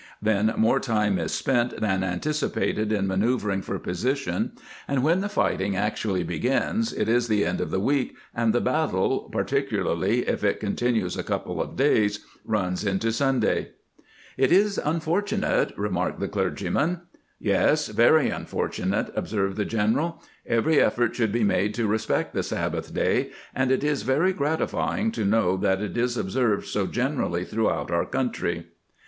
Then more time is spent than anticipated in manceuvering for position, and when the fighting actually begins it is the end of the week, and the battle, particularly if it continues a couple of days, runs into Sunday." " It is imfortunate," remarked the clergyman, "Yes, very GKANT'S RESPECT FOR RELIGION 495 unfortTinate," observed the general. "Every effort should be made to respect the Sabbath day, and it is very gratifying to know that it is observed so generally throughout our country."